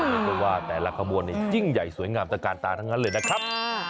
เพราะว่าแต่ละขบวนนี้ยิ่งใหญ่สวยงามต่างทั้งนั้นเลยนะครับ